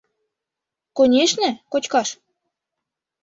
— Конешне, кочкаш.